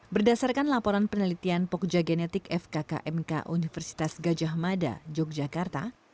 berdasarkan laporan penelitian pogja genetik fkkmk universitas gajah mada yogyakarta